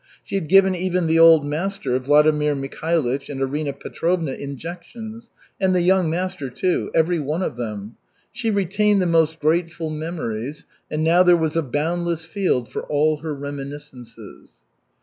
She had given even the old master, Vladimir Mikhailych and Arina Petrovna injections, and the young master, too every one of them. She retained the most grateful memories, and now there was a boundless field for all her reminiscences.